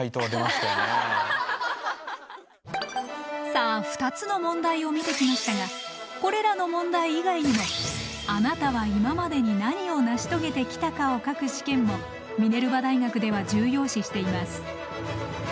さあ２つの問題を見てきましたがこれらの問題以外にもあなたは今までに何を成し遂げてきたかを書く試験もミネルバ大学では重要視しています。